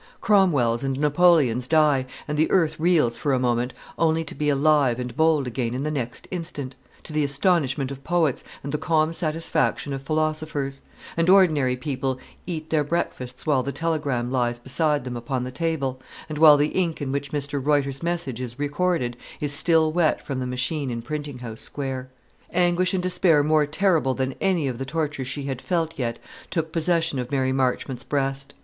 Cromwells and Napoleons die, and the earth reels for a moment, only to be "alive and bold" again in the next instant, to the astonishment of poets, and the calm satisfaction of philosophers; and ordinary people eat their breakfasts while the telegram lies beside them upon the table, and while the ink in which Mr. Reuter's message is recorded is still wet from the machine in Printing house Square. Anguish and despair more terrible than any of the tortures she had felt yet took possession of Mary Marchmont's breast.